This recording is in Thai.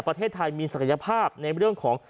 ประเทศไทยมีศักยภาพในเรื่องของ